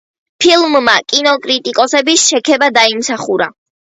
ფილმმა კინოკრიტიკოსების შექება დაიმსახურა.